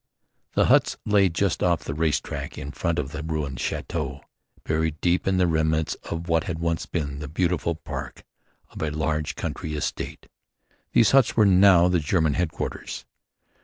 The huts lay just off the race track in front of the ruined château, buried deep in the remnants of what had once been the beautiful park of a large country estate. These huts were now the German headquarters.